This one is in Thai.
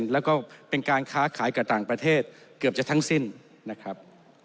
แล้วก็เป็นการค้าขายกับต่างประเทศเกือบจะทั้งสิ้นนะครับ